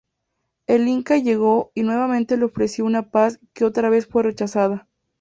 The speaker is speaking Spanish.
El Inca llegó y nuevamente le ofreció una paz que otra vez fue rechazada.